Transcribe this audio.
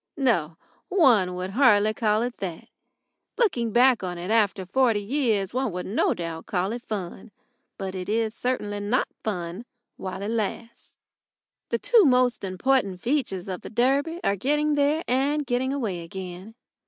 No; one would hardly call it that. Looking back on it after forty years one will no doubt call it fun. But it is certainly not fun while it lasts. The two most important features of the Derby are getting there and getting away again.